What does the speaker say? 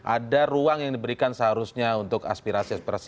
ada ruang yang diberikan seharusnya untuk aspirasi aspirasi